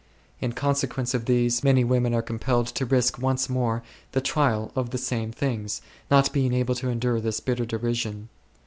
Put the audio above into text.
In consequence of these, many women are compelled to risk once more the trial of the same things, not being able to endure this bitter derision.